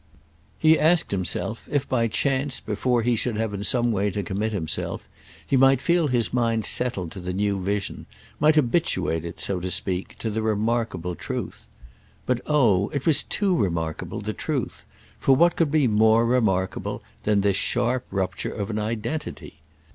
He asked himself if, by any chance, before he should have in some way to commit himself, he might feel his mind settled to the new vision, might habituate it, so to speak, to the remarkable truth. But oh it was too remarkable, the truth; for what could be more remarkable than this sharp rupture of an identity?